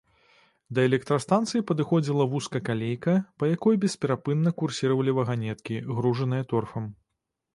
Да электрастанцыі падыходзіла вузкакалейка, па якой бесперапынна курсіравалі ваганеткі, гружаныя торфам.